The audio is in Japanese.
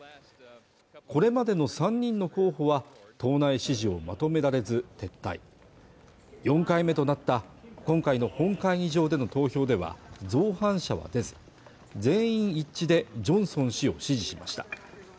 これまでの３人の候補は党内支持をまとめられず撤退４回目となった今回の本会議場での投票では造反者は出ず全員一致でジョンソン氏を支持しました